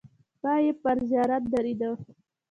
پای یې پر زیارت درېده.